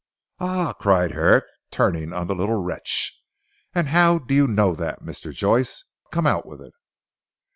"Ah!" cried Herrick turning on the little wretch, "and how do you know that Mr. Joyce? Come. Out with it."